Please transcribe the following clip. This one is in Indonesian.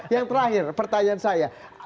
yang terakhir pertanyaan saya